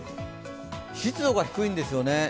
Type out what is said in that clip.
湿度が低いんですよね。